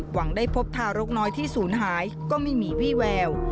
หวังได้พบทารกน้อยที่ศูนย์หายก็ไม่มีวี่แวว